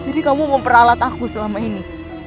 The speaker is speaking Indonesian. jadi kamu memperalat aku selama ini